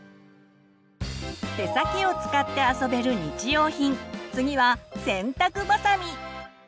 手先を使って遊べる日用品次は洗濯ばさみ。